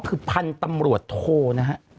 คือพันธุ์ตำรวจโทนะฮะ